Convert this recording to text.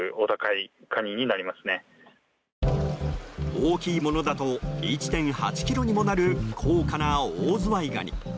大きいものだと１．８ｋｇにもなる高価なオオズワイガニ。